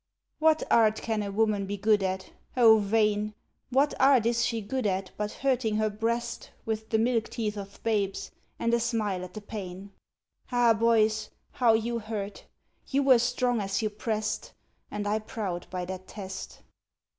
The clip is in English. What art can a woman be good at? O, vain! What art is she good at, but hurting her breast With the milk teeth of babes, and a smile at the pain? Ah, boys, how you hurt! you were strong as you pressed, And I proud by that test.